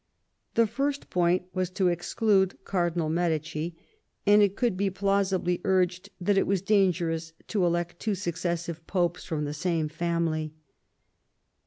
The first point was to exclude Cardinal Medici, and it could be plausibly urged that it was dangerous to elect two successive popes from the same family.